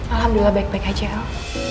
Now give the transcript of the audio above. alhamdulillah baik baik aja om